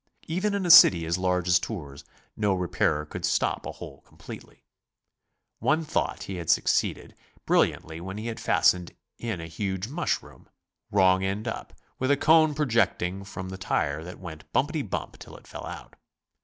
Even in a city as large as Tours, no repairer could stop a hole completely. One thought he had succeeded brilliantly when he had fastened in a huge mushroom, — wrong end up, with a cone projecting from the tire that went bumpety bump till it fell out.